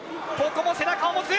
ここも背中を持つ。